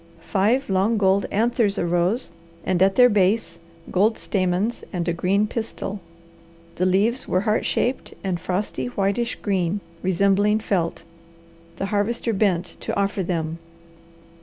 Five long gold anthers arose, and at their base gold stamens and a green pistil. The leaves were heart shaped and frosty, whitish green, resembling felt. The Harvester bent to offer them.